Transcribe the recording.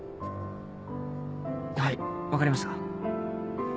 はい分かりました。